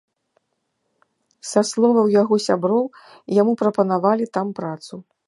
Са словаў яго сяброў, яму прапанавалі там працу.